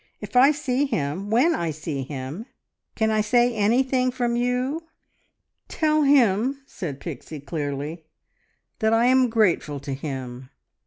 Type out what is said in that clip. If I see him when I see him can I say anything from you?" "Tell him," said Pixie clearly, "that I am grateful to him.